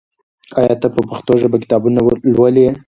آیا ته په پښتو ژبه کتابونه لولې؟